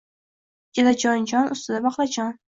Ichida jon-jon, ustida baqlajon.